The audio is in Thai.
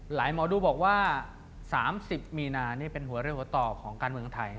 หมอดูบอกว่า๓๐มีนานี่เป็นหัวเรือหัวต่อของการเมืองไทย